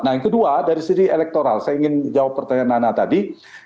nah yang kedua dari segi elektoral saya ingin jawab pertanyaan nana tadi